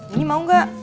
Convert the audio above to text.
ini mau gak